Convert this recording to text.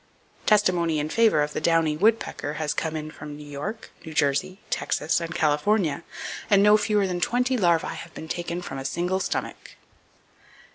Testimony in favor of the downy woodpecker has come from New York, New Jersey, Texas and California, "and no fewer than twenty larvae have been taken from a single stomach."